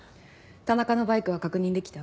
田中のバイクは確認できた？